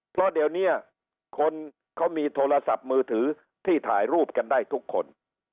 เพราะเดี๋ยวนี้คนเขามีโทรศัพท์มือถือที่ถ่ายรูปกันได้ทุกคน